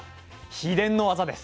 秘伝の技です。